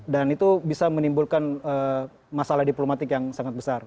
dan itu bisa menimbulkan masalah diplomatik yang sangat besar